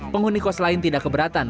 penghuni kos lain tidak keberatan